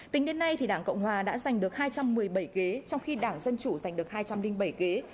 tính đến nay đảng cộng hòa đã giành được hai trăm một mươi bảy ghế trong khi đảng dân chủ giành được hai trăm linh bảy ghế